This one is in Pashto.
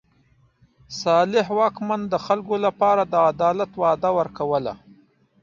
صالح واکمن د خلکو لپاره د عدالت وعده ورکوله.